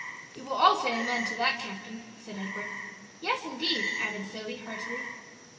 "We will all say amen to that, captain," said Edward. "Yes, indeed," added Zoe, heartily.